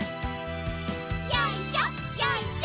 よいしょよいしょ。